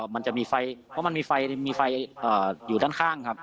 มันจะมีไฟมีไฟอยู่ด้านข้างครับ